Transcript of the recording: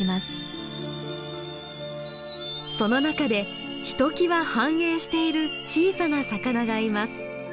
その中でひときわ繁栄している小さな魚がいます。